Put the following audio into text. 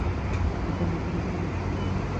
এটা আমার খারাপ লাগে।